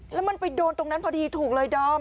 แล้วมันไปโดนตรงนั้นพอดีถูกเลยดอม